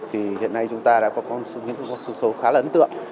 thì hiện nay chúng ta đã có những con số khá là ấn tượng